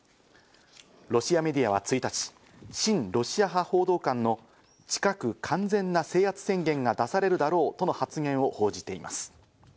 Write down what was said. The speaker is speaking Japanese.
ロシアメディアは１日、親ロシア派報道官の近く完全な制圧宣言が出されるだろうとの発言を報じています。